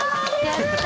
やった。